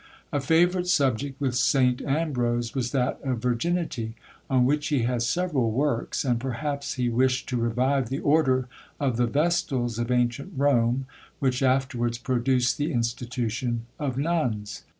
A favourite subject with Saint Ambrose was that of Virginity, on which he has several works; and perhaps he wished to revive the order of the vestals of ancient Rome, which afterwards produced the institution of Nuns.